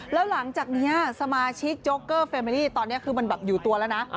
แล้วหลังจากนี้สมาชิกโจ๊กเกอร์เฟมิตอนนี้คือมันแบบอยู่ตัวแล้วนะ